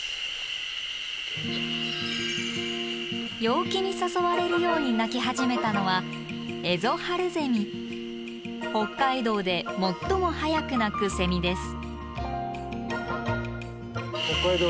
陽気に誘われるように鳴き始めたのは北海道で最も早く鳴くセミです。